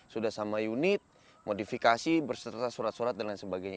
sudah sama unit modifikasi berserta surat surat dan lain sebagainya